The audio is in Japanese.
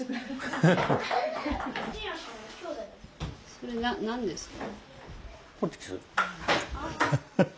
それ何ですか？